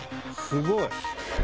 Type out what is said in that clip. すごい。